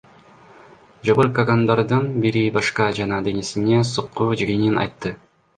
Жабыркагандардын бири башка жана денесине сокку жегенин айтты.